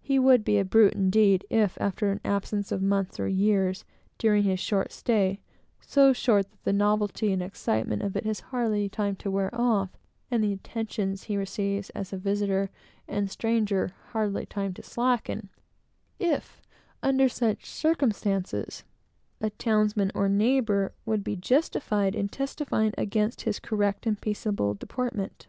He would be a brute indeed, if, after an absence of months or years, during his short stay, so short that the novelty and excitement of it has hardly time to wear off, and the attentions he receives as a visitor and stranger hardly time to slacken, if, under such circumstances, a townsman or neighbor would be justified in testifying against his correct and peaceable deportment.